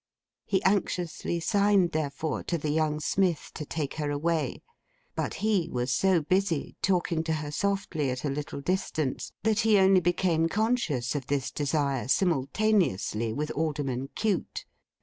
He anxiously signed, therefore, to the young smith, to take her away. But he was so busy, talking to her softly at a little distance, that he only became conscious of this desire, simultaneously with Alderman Cute.